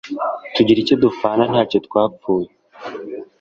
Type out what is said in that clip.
Tugira icyo dupfana ntacyo twapfuye